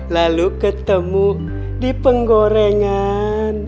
lalu ketemu di penggorengan